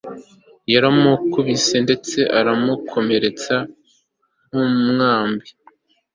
yaramukubise ndetse aramukomeretsaagenda nk'umwambi